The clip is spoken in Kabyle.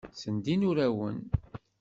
Ssendin urawen.